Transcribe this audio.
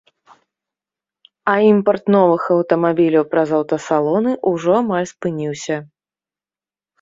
А імпарт новых аўтамабіляў праз аўтасалоны ўжо амаль спыніўся.